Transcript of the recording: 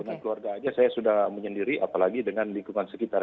dengan keluarga aja saya sudah menyendiri apalagi dengan lingkungan sekitar